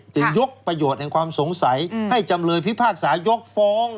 ยกประโยชน์แห่งความสงสัยให้จำเลยพิพากษายกฟ้อง